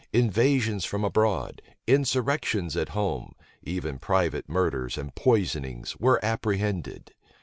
Invasions from abroad, insurrections at home, even private murders and poisonings, were apprehended.